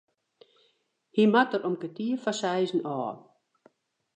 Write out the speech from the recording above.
Hy moat der om kertier foar seizen ôf.